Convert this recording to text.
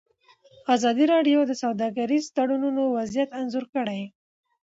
ازادي راډیو د سوداګریز تړونونه وضعیت انځور کړی.